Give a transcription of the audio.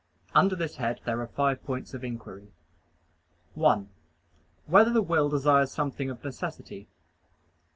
Under this head there are five points of inquiry: (1) Whether the will desires something of necessity?